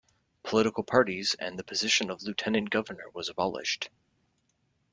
Political parties and the position of Lieutenant Governor was abolished.